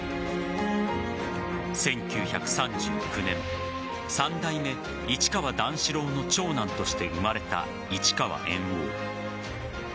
１９３９年、三代目市川段四郎の長男として生まれた市川猿翁。